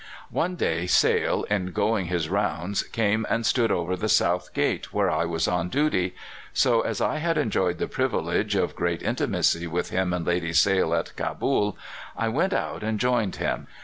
"One day Sale, in going his rounds, came and stood over the south gate, where I was on duty; so, as I had enjoyed the privilege of great intimacy with him and Lady Sale at Cabul, I went out and joined him.